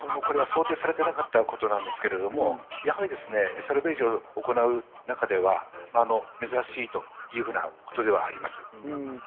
これは想定されていなかったことなんですけれども、やはり、サルベージを行う中では珍しいということではあります。